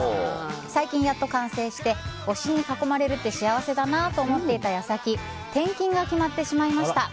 最近、やっと完成して推しに囲まれるって幸せだなと思っていた矢先転勤が決まってしまいました。